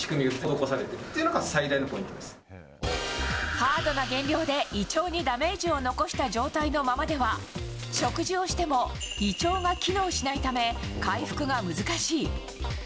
ハードな減量で、胃腸にダメージを残した状態のままでは食事をしても胃腸が機能しないため回復が難しい。